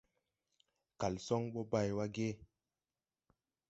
Kalson bo bay wa ge?